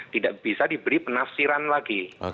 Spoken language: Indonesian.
tidak bisa diberi penafsiran lagi